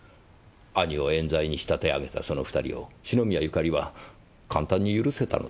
兄を冤罪に仕立て上げたその２人を篠宮ゆかりは簡単に許せたのでしょうか？